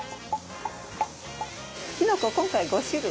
きのこは今回５種類。